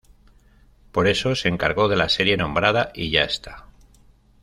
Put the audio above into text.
Por eso se encargó de la serie nombrada ¡Y ya está!